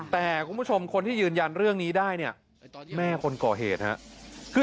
แต่คุณผู้ชมคนที่ยืนยันเรื่องนี้ได้เนี่ยแม่คนก่อเหตุครับ